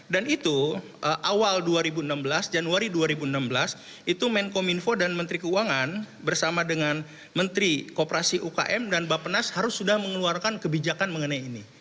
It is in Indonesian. dan itu awal dua ribu enam belas januari dua ribu enam belas itu menko minfo dan menteri keuangan bersama dengan menteri koperasi ukm dan bapak nas harus sudah mengeluarkan kebijakan mengenai ini